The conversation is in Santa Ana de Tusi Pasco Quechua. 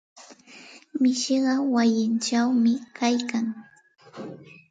Mishiqa wayichawmi kaykan.